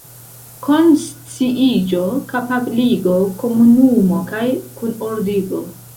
Konsciiĝo, kapabligo, komunumo kaj kunordigo.